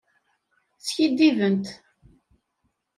Skidibent.